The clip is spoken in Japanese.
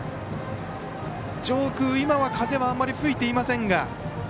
上空、今は風はあまり吹いていませんが。